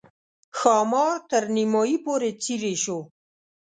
ښامار تر نیمایي پورې څېرې شو.